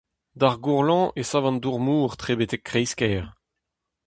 D'ar gourlanv e sav an dour-mor tre betek kreiz-kêr.